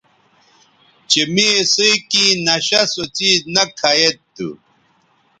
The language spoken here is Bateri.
چہء می اِسئ کیں نشہ سو څیز نہ کھہ ید تھو